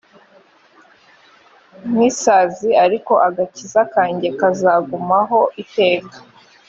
nk isazi ariko agakiza kanjye kazagumaho iteka